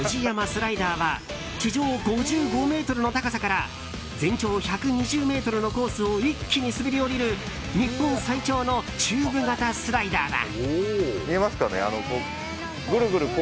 ＦＵＪＩＹＡＭＡスライダーは地上５５ｍの高さから全長１２０ｍのコースを一気に滑り降りる日本最長のチューブ型スライダーだ。